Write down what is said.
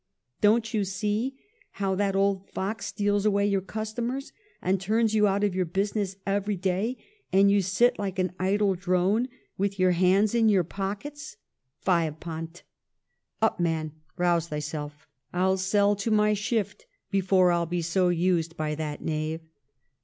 Don't you see how that old fox steals away your customers, and turns you out of your business every day, and you sit like an idle drone with your hands in your pockets ? Fie upon't ! Up, man ; rouse thyself I I'll sell to my shift before I'll be so used by that knave.'